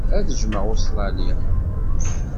Ad jjmeɣ Ustṛalya.